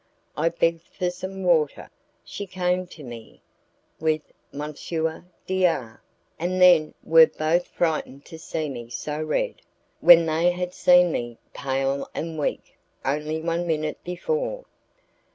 I begged for some water, she came to me, with M. D R , and then were both frightened to see me so red, when they had seen me pale and weak only one minute before.